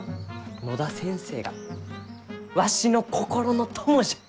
野田先生がわしの心の友じゃ！